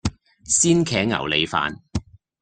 鮮茄牛脷飯